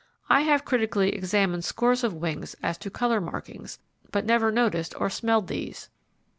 I have critically examined scores of wings as to colour markings, but never noticed or smelled these.